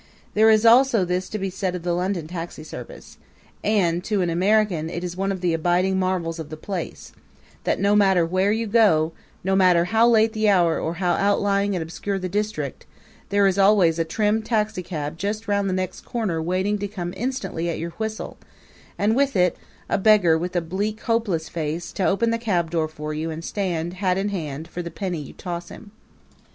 There is this also to be said of the London taxi service and to an American it is one of the abiding marvels of the place that, no matter where you go, no matter how late the hour or how outlying and obscure the district, there is always a trim taxicab just round the next corner waiting to come instantly at your whistle, and with it a beggar with a bleak, hopeless face, to open the cab door for you and stand, hat in hand, for the penny you toss him.